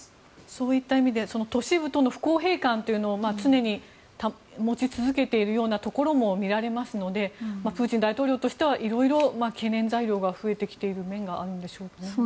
そういった意味で都市部との不公平感というのを常に持ち続けているようなところもみられますのでプーチン大統領としてはいろいろ懸念材料が増えている面があるんでしょうね。